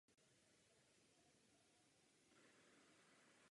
Takový stav způsobuje degradaci území, což zintenzivňuje hydrogeologickou nestabilitu.